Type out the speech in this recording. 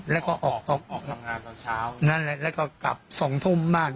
แล้วก็ออกทำงานตอนเช้าแล้วก็กลับสองทุ่มมาก